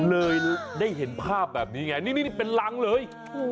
เลยได้เห็นภาพแบบนี้ไงนี่เป็นรังเลย